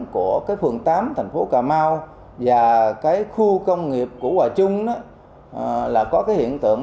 của cái phường tám thành phố cà mau và cái khu công nghiệp của hòa trung là có cái hiện tượng